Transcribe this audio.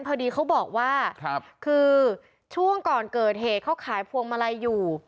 พอดีเขาบอกว่าคือช่วงก่อนเกิดเหตุเขาขายพวงมาลัยอยู่